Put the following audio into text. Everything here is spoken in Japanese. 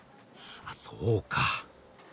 あそうか。